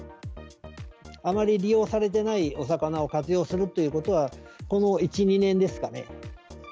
あまり利用されてないお魚を活用するっていうことは、この１、２年ですかね。